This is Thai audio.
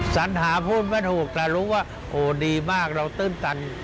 สัญหาพูดไม่ถูกแต่รู้ว่าโหดีมากเราตื้นตัน